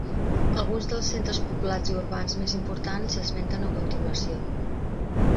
Alguns dels centres poblats i urbans més importants s'esmenten a continuació.